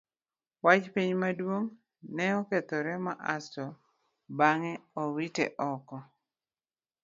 Wach penj maduong' ne okethore ma asto bang'e owite oko.